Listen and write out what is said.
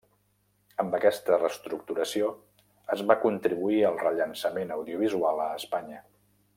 Amb aquesta reestructuració es va contribuir al rellançament audiovisual a Espanya.